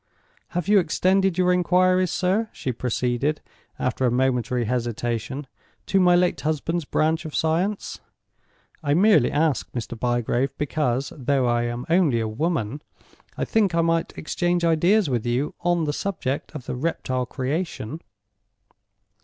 "Have you extended your inquiries, sir," she proceeded, after a momentary hesitation, "to my late husband's branch of science? I merely ask, Mr. Bygrave, because (though I am only a woman) I think I might exchange ideas with you on the subject of the reptile creation."